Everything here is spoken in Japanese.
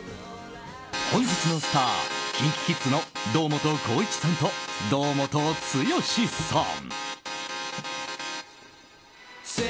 本日のスターＫｉｎＫｉＫｉｄｓの堂本光一さんと堂本剛さん。